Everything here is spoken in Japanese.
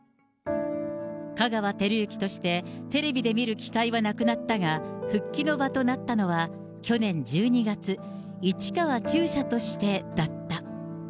香川照之としてテレビで見る機会はなくなったが、復帰の場となったのは、去年１２月、市川中車としてだった。